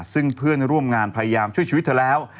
ซึ่งเพื่อนร่วมงานพยายามช่วยชีวิตเธอแล้ว